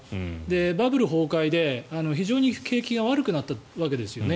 バブル崩壊で非常に景気が悪くなったわけですよね。